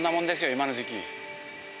今の時期。